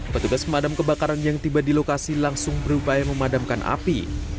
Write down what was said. petugas pemadam kebakaran yang tiba di lokasi langsung berupaya memadamkan api